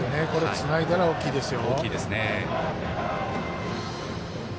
つないだら、大きいですよ。